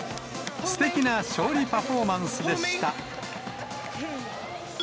すてきな勝利パフォーマンスでした。